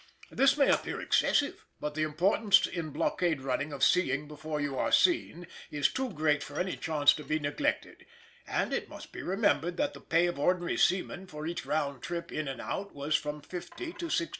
This may appear excessive, but the importance in blockade running of seeing before you are seen is too great for any chance to be neglected; and it must be remembered that the pay of ordinary seamen for each round trip in and out was from £50 to £60.